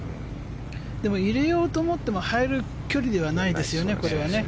でも入れようと思っても入る距離ではないですよね。